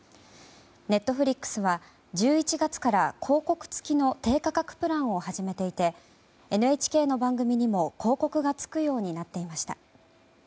Ｎｅｔｆｌｉｘは１１月から広告付きの低価格プランを始めていてＮＨＫの番組にも広告がつくようになっていました。